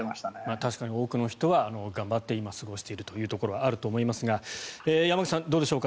確かに多くの人は頑張っているというところもあると思いますが山口さん、どうでしょうか。